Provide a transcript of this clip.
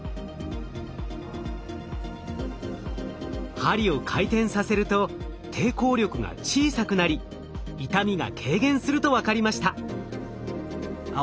針を回転させると抵抗力が小さくなり痛みが軽減すると分かりました。